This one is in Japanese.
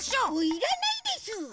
いらないです！